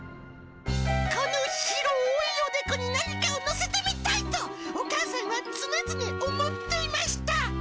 この広いおでこに何かを載せてみたいと、お母さんは常々思っていました。